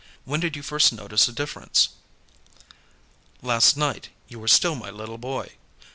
When did you first notice a difference?" "Last night, you were still my little boy.